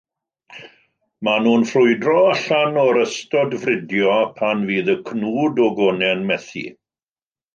Maen nhw'n ffrwydro allan o'r ystod fridio pan fydd y cnwd o gonau'n methu.